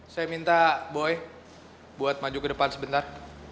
saya minta boy buat maju ke depan sebentar